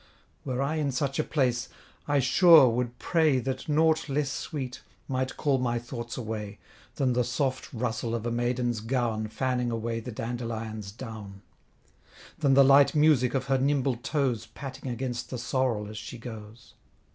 Were I in such a place, I sure should pray That nought less sweet, might call my thoughts away, Than the soft rustle of a maiden's gown Fanning away the dandelion's down; Than the light music of her nimble toes Patting against the sorrel as she goes.